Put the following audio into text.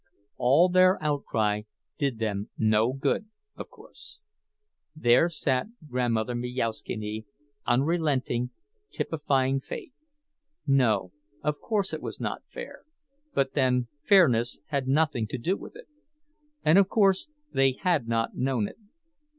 _" All their outcry did them no good, of course. There sat Grandmother Majauszkiene, unrelenting, typifying fate. No, of course it was not fair, but then fairness had nothing to do with it. And of course they had not known it.